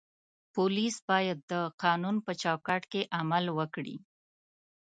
پولیس باید د قانون په چوکاټ کې عمل وکړي.